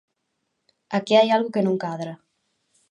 Aquí hai algo que non cadra.